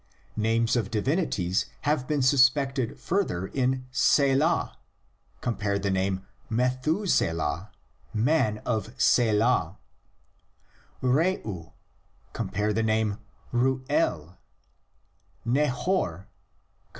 "' Names of divinities have been suspected further in Selah (cp. the name Methuselah = man of Selah), R°'u (cp. the name R''u el), Nahor (cp.